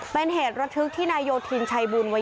เป็นเหตุระทึกที่นายโยธินชัยบูลอายุ๕๕ปี